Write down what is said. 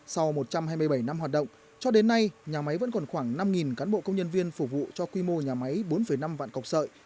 sau một trăm hai mươi bảy năm hoạt động cho đến nay nhà máy vẫn còn khoảng năm cán bộ công nhân viên phục vụ cho quy mô nhà máy bốn năm vạn cọc sợi